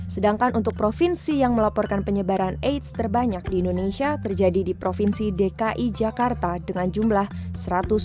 sedangkan untuk provinsi yang melaporkan penyebaran aids terbanyak di indonesia terjadi di provinsi dki jakarta dengan jumlah seribu enam ratus empat belas kasus